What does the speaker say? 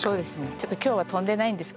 ちょっと今日は飛んでないんですけど。